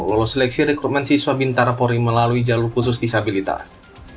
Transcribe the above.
lolos seleksi rekrutmen siswa bintara polri melalui jalur khusus disabilitas